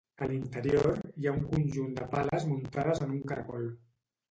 A l'interior, hi ha un conjunt de pales muntades en un cargol.